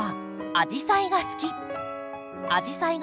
アジサイが咲く